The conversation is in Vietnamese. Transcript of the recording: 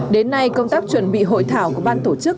đến nay công tác chuẩn bị hội thảo của ban tổ chức